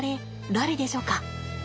誰でしょか？